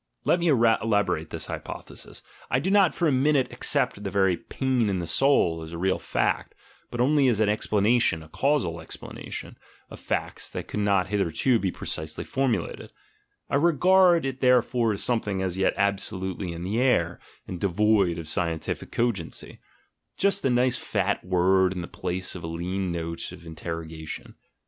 Let me elaborate this hypothesis: I do not for a minute accept the very "pain in the soul" as a real fact, but only as an explana tion (a casual explanation) of facts that could not hith erto be precisely formulated; I regard it therefore as something as yet absolutely in the air and devoid of scien tific cogency — just a nice fat word in the place of a lean note of interrogation.